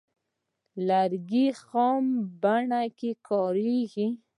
لرګی خام بڼه کې کاریږي.